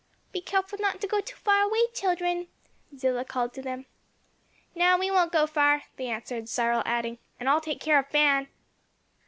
"Be careful not to go too far away, children," Zillah called to them. "No, we won't go far," they answered, Cyril adding, "And I'll take care of Fan."